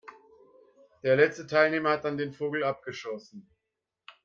Der letzte Teilnehmer hat dann den Vogel abgeschossen.